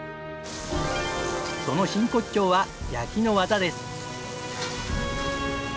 その真骨頂は焼きの技です。